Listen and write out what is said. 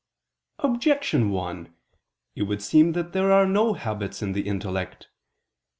Objection 1: It would seem that there are no habits in the intellect.